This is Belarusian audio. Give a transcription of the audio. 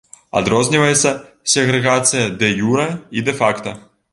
Адрозніваецца сегрэгацыя дэ-юрэ і дэ-факта.